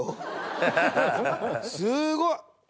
すごい！